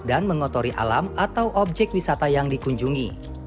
dan mengotori alam atau objek wisata yang dikunjungi